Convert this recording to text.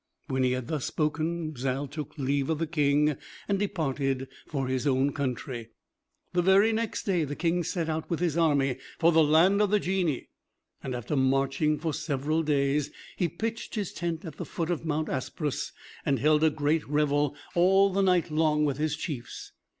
When he had thus spoken, Zal took leave of the King, and departed for his own country. The very next day the King set out with his army for the land of the Genii, and, after marching for several days, pitched his tent at the foot of Mount Asprus, and held a great revel all the night long with his chiefs.